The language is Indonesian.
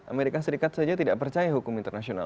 amerika serikat saja tidak percaya hukum internasional